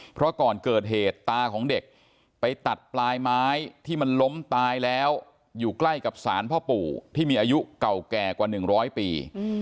เพราะก่อนเกิดเหตุตาของเด็กไปตัดปลายไม้ที่มันล้มตายแล้วอยู่ใกล้กับสารพ่อปู่ที่มีอายุเก่าแก่กว่า๑๐๐ปี